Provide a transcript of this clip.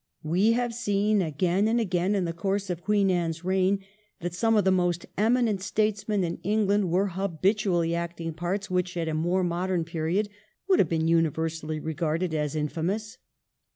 We have seen again and again in the course of Queen Anne's reign that some of the most eminent statesmen in England were habitually acting parts which at a more modern period would have been universally regarded as in famous.